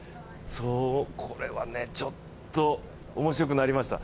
これはね、ちょっと面白くなりました。